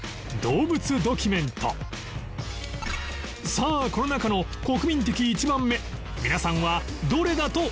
さあこの中の国民的１番目皆さんはどれだと思いますか？